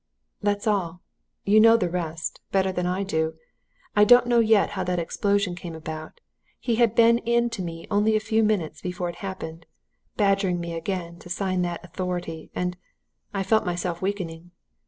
"That's all. You know the rest better than I do. I don't know yet how that explosion came about. He had been in to me only a few minutes before it happened, badgering me again to sign that authority. And I felt myself weakening.